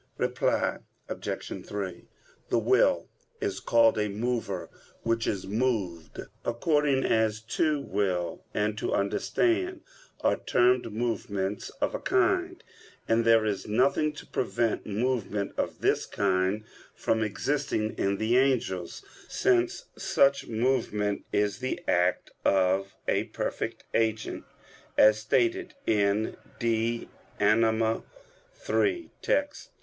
Reply Obj. 3: The will is called a mover which is moved, according as to will and to understand are termed movements of a kind; and there is nothing to prevent movement of this kind from existing in the angels, since such movement is the act of a perfect agent, as stated in De Anima iii, text.